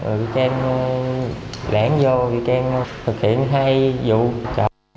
rồi bị khen lẻn vô bị khen thực hiện hai vụ trộm